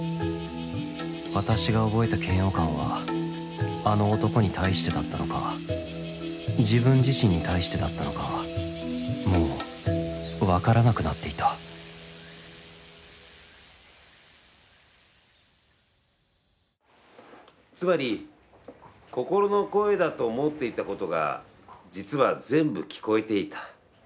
私が覚えた嫌悪感はあの男に対してだったのか自分自身に対してだったのかもう分からなくなっていたつまり心の声だと思っていたことが実は全部聞こえていた。